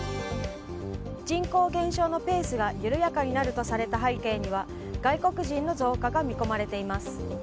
人口減少のペースが緩やかになるとされた背景には外国人の増加が見込まれています。